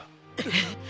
えっ！？